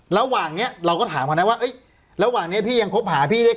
ระหว่างนี้เราก็ถามเขานะว่าระหว่างนี้พี่ยังคบหาพี่ได้